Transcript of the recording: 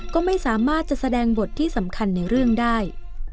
ก็ไม่สามารถจะแสดงบทที่สำคัญในเรื่องได้